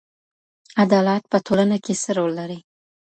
عدالت په ټولنه کي څه رول لري؟